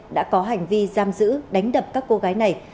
đã có hành vi giam giữ đánh đập các cô gái này